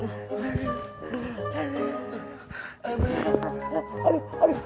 sakit nih gua